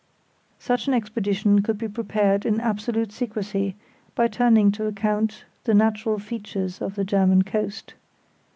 Such an expedition could be prepared in absolute secrecy, by turning to account the natural features of the German coast.